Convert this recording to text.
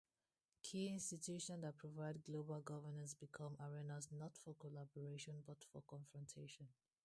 Key institutions that provide global governance become arenas not for collaboration but for confrontation.